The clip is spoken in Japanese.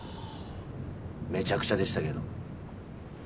めちゃくちゃでしたけど。